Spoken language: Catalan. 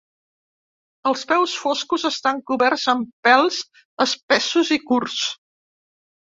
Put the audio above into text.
Els peus foscos estan coberts amb pèls espessos i curts.